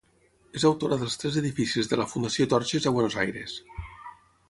És autora dels tres edificis de la Fundació Torxes a Buenos Aires.